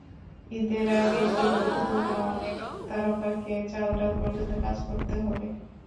ঈদের আগের দিনই শুধু নয়, অনেক তারকাকে চাঁদরাত পর্যন্ত কাজ করতে হবে।